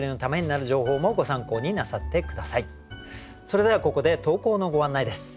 それではここで投稿のご案内です。